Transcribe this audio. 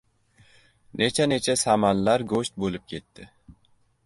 Necha-necha samanlar go‘sht bo‘lib ketdi!